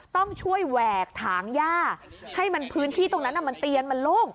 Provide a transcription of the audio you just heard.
ต้องช่วยแหวกถางย่าให้มันพื้นที่ตรงนั้นมันเตียนมันโล่ง